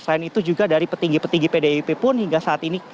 selain itu juga dari petinggi petinggi pdip pun hingga saat ini